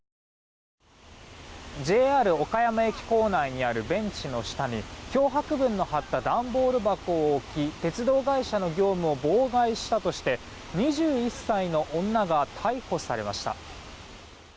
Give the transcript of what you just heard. ＪＲ岡山駅構内にあるベンチの下に脅迫文の貼った段ボール箱を置き鉄道会社の業務を妨害したとして２１歳の女が逮捕されました。